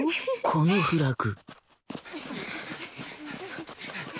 このフラグ